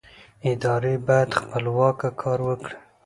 ادارې باید خپلواکه کار وکړي